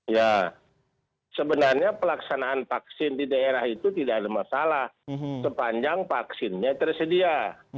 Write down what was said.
ya sebenarnya pelaksanaan vaksin di daerah itu tidak ada masalah sepanjang vaksinnya tersedia